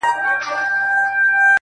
ووایه نسیمه نن سبا ارغوان څه ویل!!..